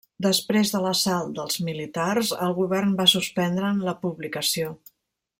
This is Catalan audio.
Després de l'assalt dels militars, el Govern va suspendre'n la publicació.